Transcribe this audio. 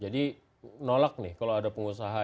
jadi nolak nih kalau ada pengusaha